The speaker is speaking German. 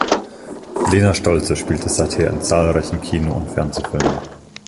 Lena Stolze spielte seither in zahlreichen Kino- und Fernsehfilmen.